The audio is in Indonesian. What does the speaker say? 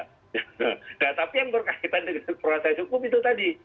nah tapi yang berkaitan dengan proses hukum itu tadi